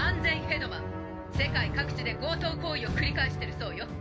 世界各地で強盗行為を繰り返してるそうよ」。